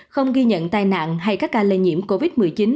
không ghi nhận tai nạn hay các ca lây nhiễm covid một mươi chín